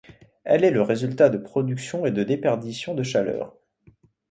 Elle est le résultat de productions et de déperditions de chaleur.